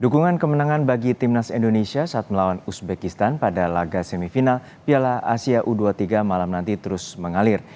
dukungan kemenangan bagi timnas indonesia saat melawan uzbekistan pada laga semifinal piala asia u dua puluh tiga malam nanti terus mengalir